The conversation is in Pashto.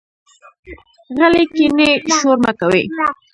غلي کېنئ، شور مۀ کوئ.